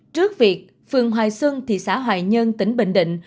trước việc phường hoài xuân thị xã hoài nhơn tỉnh bình định